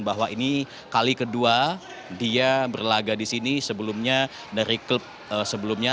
bahwa ini kali kedua dia berlaga di sini sebelumnya dari klub sebelumnya